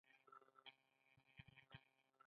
څانگې له شین چای سره گوړه راوړې.